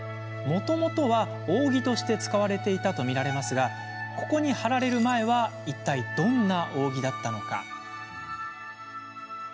もともとは扇として使われていたと見られますがここに貼られる前はいったいどんな扇だったのか。